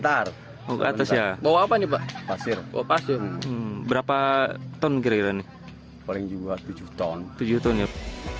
panggota kepolisian yang menerima informasi lakukan olah tkp dan mengevakuasi kendaraan nas